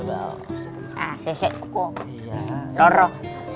kami juga mencari jalan untuk mencari jalan